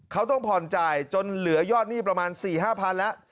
เขาต้องผ่อนจ่ายจนเหลือยอดหนี้ประมาณ๔๕๐๐๐แล้ว